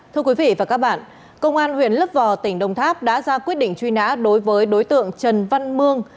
thưa quý vị và các bạn công an huyện lấp vò tỉnh đồng tháp đã ra quyết định truy nã đối với đối tượng trần văn mương